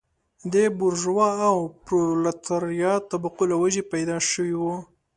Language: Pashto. د بورژوا او پرولتاریا طبقو له وجهې پیدا شوی و.